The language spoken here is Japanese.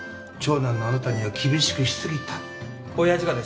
長男のあなたには厳しくしすぎたって